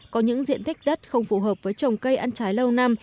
có những diện tích đất không phù hợp với trồng cây ăn trái lâu năm